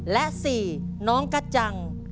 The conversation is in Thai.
และ๔น้องกระจัง